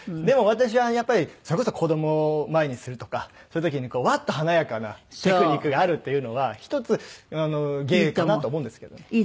でも私はやっぱりそれこそ子供を前にするとかそういう時にワッと華やかなテクニックがあるというのは一つ芸かなと思うんですけどね。